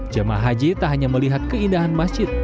jemaah haji tak hanya melihat keindahan masjid